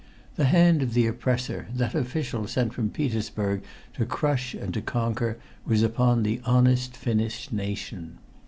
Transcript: The hand of the oppressor, that official sent from Petersburg to crush and to conquer, was upon the honest Finnish nation.